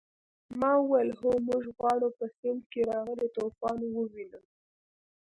ما وویل هو موږ غواړو په سیند کې راغلی طوفان ووینو.